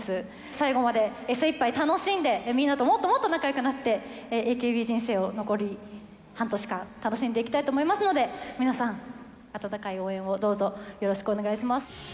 最後まで精いっぱい楽しんで、みんなともっともっと仲よくなって、ＡＫＢ人生を残り半年間、楽しんでいきたいと思いますので、皆さん、温かい応援をどうぞよろしくお願いします。